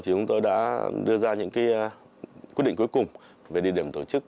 chúng tôi đã đưa ra những quyết định cuối cùng về địa điểm tổ chức